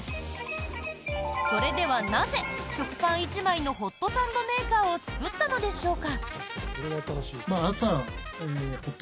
それではなぜ、食パン１枚のホットサンドメーカーを作ったのでしょうか？